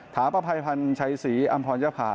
ถาประภัยภัณฑ์ชัยศรีอำพลังญภา